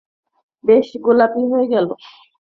বেশি গোলাপি হয়ে গেলো?